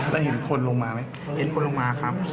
แล้วเห็นคนลงมาไหมเห็นคนลงมาครับ